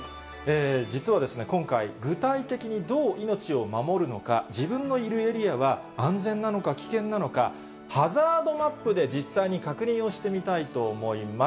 実はですね、今回、具体的にどう命を守るのか、自分のいるエリアは安全なのか危険なのか、ハザードマップで実際に確認をしてみたいと思います。